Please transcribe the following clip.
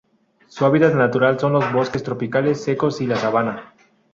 Su hábitat natural son los bosques tropicales secos y la sabana.